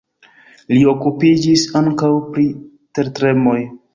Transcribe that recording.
Li okupiĝis ankaŭ pri tertremoj.